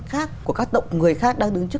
khác của các tộc người khác đang đứng trước